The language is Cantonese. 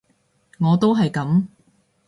我都係噉